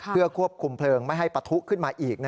เพื่อควบคุมเพลิงไม่ให้ปะทุขึ้นมาอีก